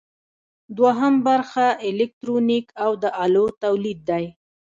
دوهم برخه الکترونیک او د الو تولید دی.